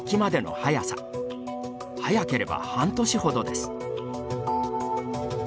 早ければ半年ほどです。